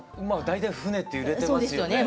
大体船って揺れてますよね。